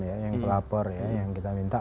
yang pelapor yang kita minta